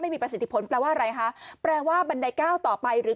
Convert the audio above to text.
ไม่มีประสิทธิผลแปลว่าอะไรคะแปลว่าบันไดก้าวต่อไปหรือ